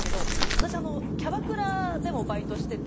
私キャバクラでもバイトしてて。